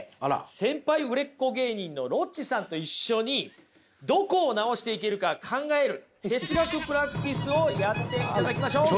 先輩売れっ子芸人のロッチさんと一緒にどこを直していけるか考える哲学プラクティスをやっていただきましょう！